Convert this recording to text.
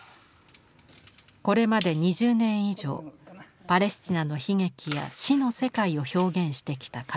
これまで２０年以上パレスチナの悲劇や死の世界を表現してきた上條。